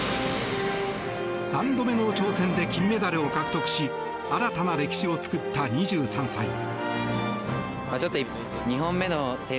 ３度目の挑戦で金メダルを獲得し新たな歴史を作った２３歳。